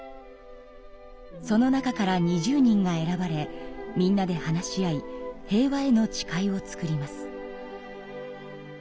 その中から２０人が選ばれみんなで話し合い「平和への誓い」を作ります。